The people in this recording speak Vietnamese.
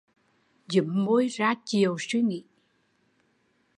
Dúm môi ra chiều suy nghĩ